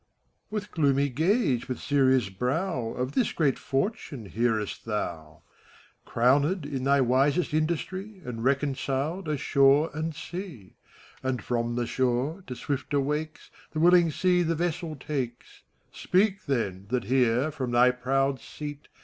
(The cargo is removecL) KEPHISTOPHELES (tO FaUST). With gloomy gaze, with serious brow, Of this great fortune hearest thou. Crowned is thy wisest industry, And reconciled are shore and sea; And from the shore, to swifter wakes. The willing sea the vessels takes. Speak, then, that here, from thy proud seat.